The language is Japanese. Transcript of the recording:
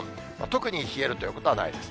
特に冷えるということはないです。